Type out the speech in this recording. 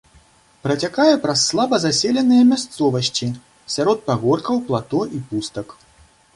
Працякае праз слаба заселеныя мясцовасці сярод пагоркаў, плато і пустак.